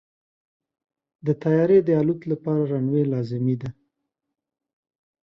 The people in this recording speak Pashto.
د طیارې د الوت لپاره رنوی لازمي دی.